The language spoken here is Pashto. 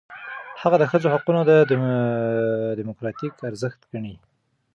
هغه د ښځو حقونه دموکراتیک ارزښت ګڼي.